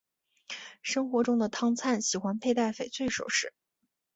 生活中的汤灿喜欢佩戴翡翠首饰。